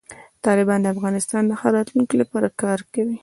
طالبان د افغانستان د ښه راتلونکي لپاره کار کوي.